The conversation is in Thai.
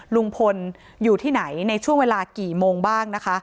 ลุงพลอยู่ที่ไหนในช่วงเวลากี่โมงบ้างนะคะ